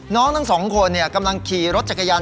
ทั้งสองคนกำลังขี่รถจักรยาน